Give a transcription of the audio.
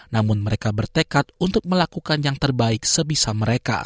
namun mereka bertekad untuk melakukan yang terbaik sebisa mereka